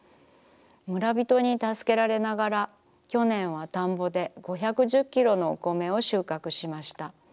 村びとに助けられながら去年は田んぼで５１０キロのお米を収穫しました。